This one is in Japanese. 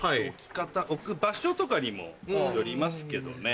置く場所とかにもよりますけどね。